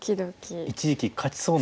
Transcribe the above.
一時期勝ちそうな感じ。